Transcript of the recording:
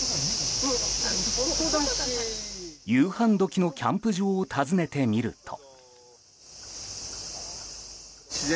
夕飯時のキャンプ場を訪ねてみると。